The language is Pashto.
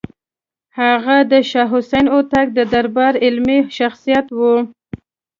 هغه د شاه حسین هوتک د دربار علمي شخصیت و.